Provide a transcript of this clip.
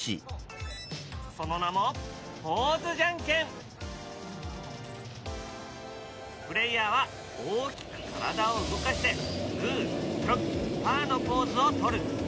その名もプレーヤーは大きく体を動かしてグーチョキパーのポーズを取る。